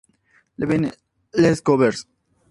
La Villeneuve-les-Convers